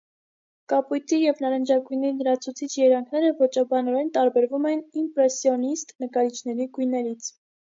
Կապույտի և նարնջագույնի լրացուցիչ երանգները ոճաբանորեն տարբերվում են իմպրեսիոնիստ նկարիչների գույներից։